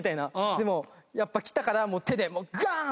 でもやっぱ来たから手でガンッ！